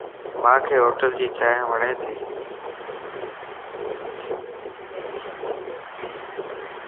مانک ھوٽل جي چائين وڻ تي